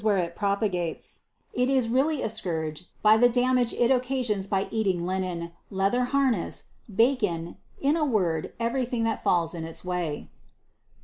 where it propagates, it is really a scourge by the damage it occa sions by eating linen, leather harness, bacon, in a word, every thing that falls in its way.